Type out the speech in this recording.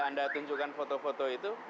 menunjukkan foto foto itu